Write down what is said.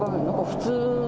普通。